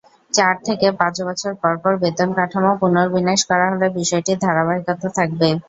চার থেকে পাঁচ বছর পরপর বেতনকাঠামো পুনর্বিন্যাস করা হলে বিষয়টির ধারাবাহিকতা থাকবে।